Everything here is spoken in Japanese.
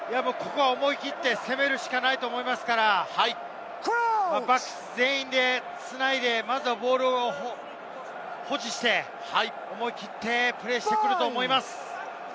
思い切って攻めるしかないと思いますから、バックス全員で繋いで、まずはボールを保持して、思い切ってプレーしてくると思います。